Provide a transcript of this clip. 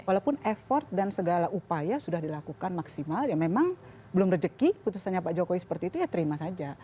walaupun effort dan segala upaya sudah dilakukan maksimal ya memang belum rejeki putusannya pak jokowi seperti itu ya terima saja